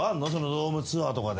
ドームツアーとかで。